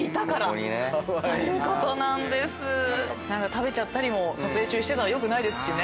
食べちゃったり撮影中してたらよくないですしね。